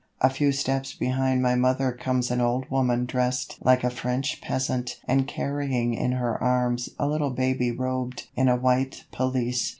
A few steps behind my mother comes an old woman dressed like a French peasant and carrying in her arms a little baby robed in a white pelisse.